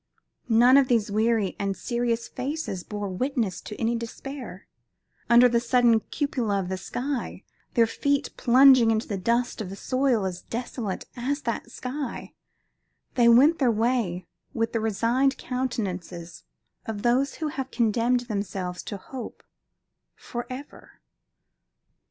None of these weary and serious faces bore witness to any despair; under the sullen cupola of the sky, their feet plunging into the dust of a soil as desolate as that sky, they went their way with the resigned countenances of those who have condemned themselves to hope forever.